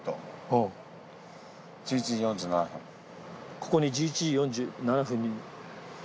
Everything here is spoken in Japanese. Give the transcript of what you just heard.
ここに１１時４７分に。